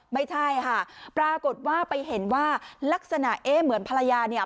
ไม่ใช่ค่ะปรากฏว่าไปเห็นว่าลักษณะเอ๊ะเหมือนภรรยาเนี่ย